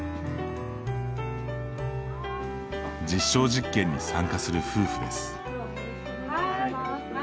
実証実験に参加する夫婦です。